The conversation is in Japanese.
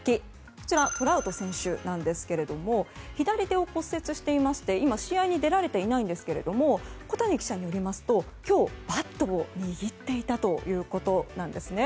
こちら、トラウト選手なんですが左手を骨折していまして今、試合に出られていないんですが小谷記者によりますと今日、バットを握っていたということなんですね。